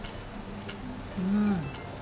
うん。